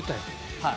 はい。